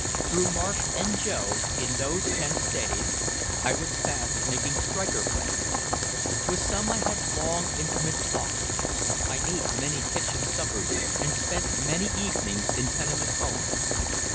Through Marsh and Joe, in those tense days, I was fast making striker friends. With some I had long intimate talks, I ate many kitchen suppers and spent many evenings in tenement homes.